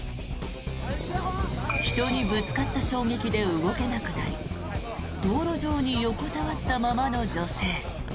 人にぶつかった衝撃で動けなくなり道路上に横たわったままの女性。